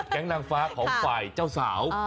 นางฟ้าของฝ่ายเจ้าสาว